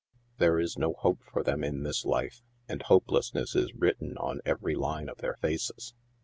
There is no hope for them in this life, and hopelessness is written on every line of their faces.